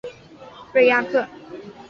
瑞亚克。